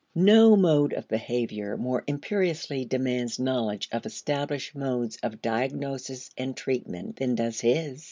No mode of behavior more imperiously demands knowledge of established modes of diagnosis and treatment than does his.